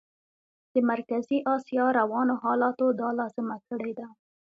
د مرکزي اسیا روانو حالاتو دا لازمه کړې ده.